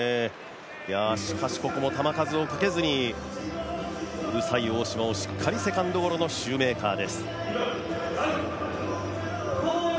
しかしここも球数をかけずに、うるさい大島をしっかりセカンドゴロのシューメーカーです。